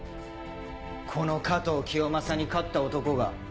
この加藤清正に勝った男が。